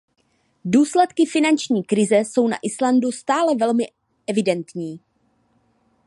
Důsledky finanční krize jsou na Islandu stále velmi evidentní.